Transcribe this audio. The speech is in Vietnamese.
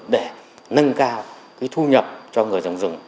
để nâng cao thu nhập cho người trồng rừng